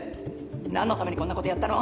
何のためにこんなことやったの？